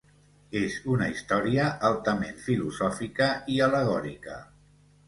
És una història altament filosòfica i al·legòrica.